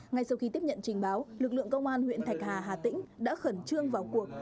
ngay sau khi tiếp nhận trình báo lực lượng công an huyện thạch hà hà tĩnh đã khẩn trương vào cuộc